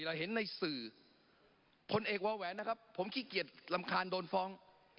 คนเอกแว้วแหวนนะครับผมขี้เกียจรำคาญโดนฟ้อง